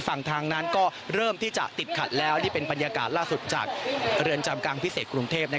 ส่วนจากเดือนจำพิเศษกรุงเทพครับ